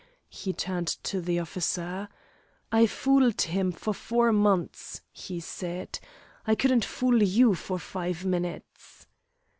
He turned to the officer. "I fooled him for four months," he said. "I couldn't fool you for five minutes."